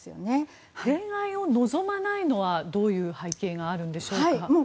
恋愛を望まないのはどういう背景があるんでしょうか。